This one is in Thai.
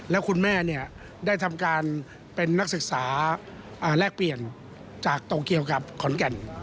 แล้วคุณแม่ได้ทำการเป็นนักศึกษาแลกเปลี่ยนจากโตเกียวกับขอนแก่น